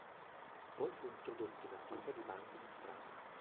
Poi fu introdotto in attività di bande di strada.